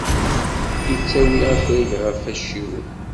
Ittawi afrag ɣef acciwen.